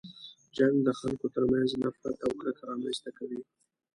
جنګ د خلکو تر منځ نفرت او کرکه رامنځته کوي.